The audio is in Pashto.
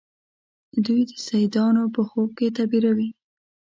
دوی د سیدانو په خوب کې تعبیروي.